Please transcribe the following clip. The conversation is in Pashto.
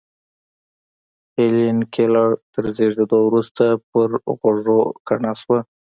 هېلېن کېلر تر زېږېدو وروسته پر غوږو کڼه شوه.